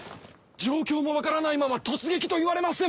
状況も分からないまま突撃と言われましても。